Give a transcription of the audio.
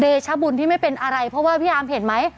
ชบุญที่ไม่เป็นอะไรเพราะว่าพี่อาร์มเห็นไหม